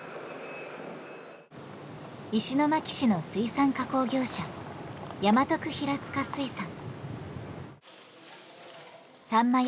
石巻市の水産加工業者山徳平塚水産。